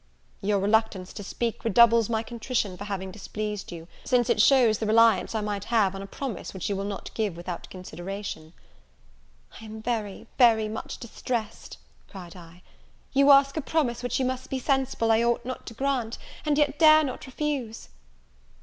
"Your reluctance to speak redoubles my contrition for having displeased you, since it shews the reliance I might have on a promise which you will not give without consideration." "I am very, very much distressed," cried I; "you ask a promise which you must be sensible I ought not to grant, and yet dare not refuse."